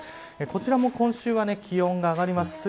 こちらも今週は気温が上がります。